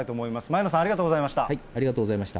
前野さん、ありがとうございました。